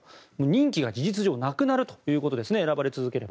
任期が事実上なくなるということですね。